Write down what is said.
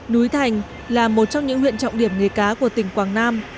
núi thành là một trong những huyện trọng điểm nghề cá của tỉnh quảng nam